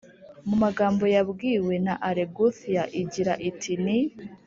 mu magambo yabwiwe na alain gauthier igira iti: «ni